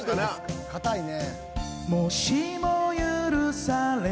硬いね。